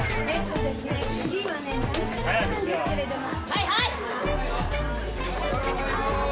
はいはい！